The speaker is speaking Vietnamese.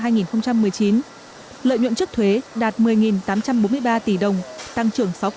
lợi nhuận trước thuế đạt một mươi tám trăm bốn mươi ba tỷ đồng tăng trưởng sáu